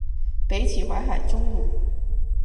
北起淮海中路。